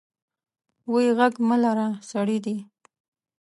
وې غږ مه لره سړي دي.